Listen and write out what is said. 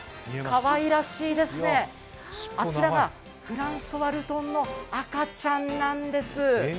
かわいらしいですね、あちらがフランソワルトンの赤ちゃんなんです。